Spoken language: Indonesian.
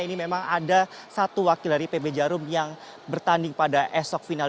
ini memang ada satu wakil dari pb jarum yang bertanding pada esok final